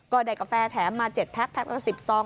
ก็ได้กาแฟแถมมา๗แพ็คแพ็คก็๑๐ซอง